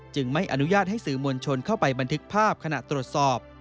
ไม่อนุญาตให้สื่อมวลชนเข้าไปบันทึกภาพขณะตรวจสอบ